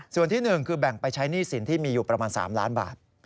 ส่วนที่๑คือแบ่งไปใช้หนี้สินที่มีอยู่ประมาณ๓ล้านบาท